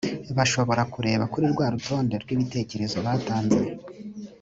bashobora kureba kuri rwa rutonde rw’ibitekerezo batanze